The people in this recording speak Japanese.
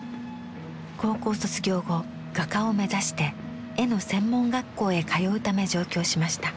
高校卒業後画家を目指して絵の専門学校へ通うため上京しました。